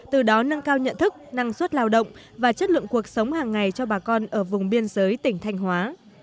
từ đó nâng cao nhận thức năng suất lao động và chất lượng cuộc sống hàng ngày cho bà con ở vùng biên giới tỉnh thanh hóa